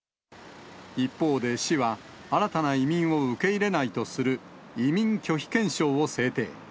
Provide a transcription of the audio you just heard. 一方で市は、新たな移民を受け入れないとする、移民拒否憲章を制定。